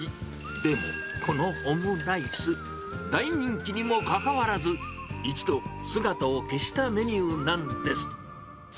でも、このオムライス、大人気にもかかわらず、一度、姿を消したメニューなんです。